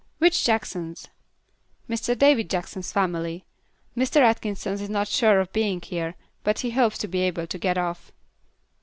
"Which Jacksons?" "Mr. David Jackson's family. Mr. Atkinson is not sure of being here, but he hopes to be able to get off."